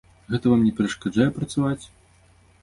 Гэта вам не перашкаджае працаваць?